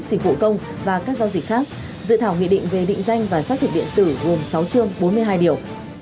dịch vụ công và các giao dịch khác dự thảo nghị định về định danh và xác thực điện tử gồm sáu chương bốn mươi hai điều